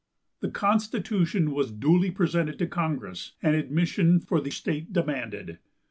The constitution was duly presented to congress, and admission for the state demanded.